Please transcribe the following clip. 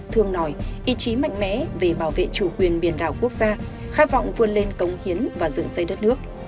thương nòi ý chí mạnh mẽ về bảo vệ chủ quyền biển đảo quốc gia khát vọng vươn lên cống hiến và dựng xây đất nước